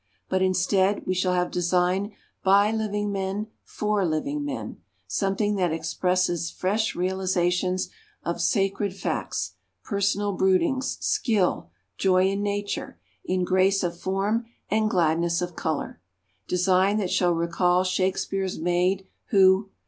But, instead, we shall have design by living men for living men something that expresses fresh realisations of sacred facts, personal broodings, skill, joy in Nature in grace of form and gladness of colour; design that shall recall Shakespeare's maid who